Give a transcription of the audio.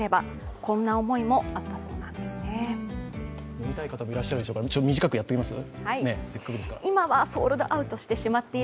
飲みたい方もいらっしゃるでしょうから、短くやっておきます？